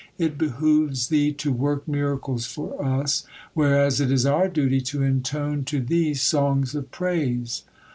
It behooves Thee to work miracles for us, whereas it is our duty to intone to Thee songs of praise."